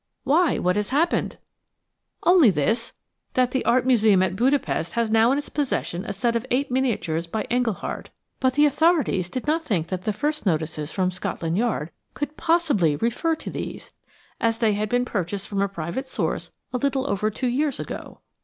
"Why, what has happened?" "Only this, that the art museum at Budapest has now in its possession a set of eight miniatures by Engleheart; but the authorities did not think that the first notices from Scotland Yard could possibly refer to these, as they had been purchased from a private source a little over two years ago."